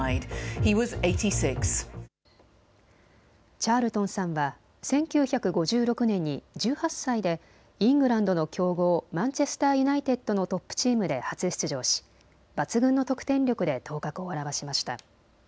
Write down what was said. チャールトンさんは１９５６年に１８歳でイングランドの強豪、マンチェスターユナイテッドのトップチームで初出場し、抜群の得点力で頭角を現しました。